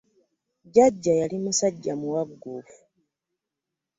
Jjajja yali musajja muwagufu